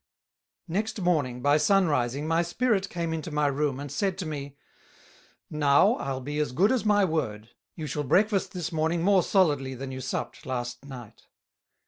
Next Morning by Sun rising my Spirit came into my Room and said to me, "Now I'll be as good as my Word, you shall breakfast this Morning more solidly that you Supped last Night."